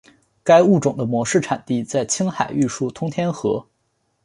该物种的模式产地在青海玉树通天河。